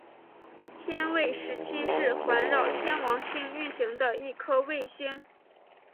天卫十七是环绕天王星运行的一颗卫星。